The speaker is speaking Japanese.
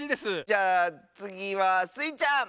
じゃあつぎはスイちゃん！